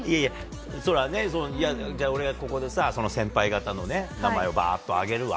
じゃあ、俺がここで先輩方の名前をバーッと挙げるわ。